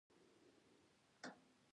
د ونو لاندې ګڼو بوټو سره یې ښکته کړو.